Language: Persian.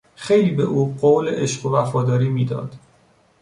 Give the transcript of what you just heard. خیلی به او قول عشق و وفاداری میداد.